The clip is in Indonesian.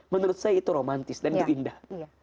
menurut saya itu romantis dan itu indah